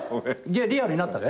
リアルになったべ。